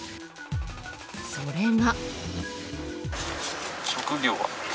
それが。